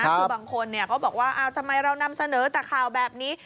คือบางคนเขาบอกว่าทำไมเรานำเสนอแต่ข่าวแบบนี้